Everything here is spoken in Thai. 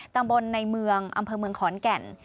ตำบลในเมืองอำเภอเมืองขอนแก่น